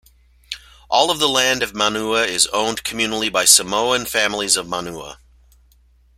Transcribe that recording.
All the land of Manua is owned communally by Samoan families of Manua.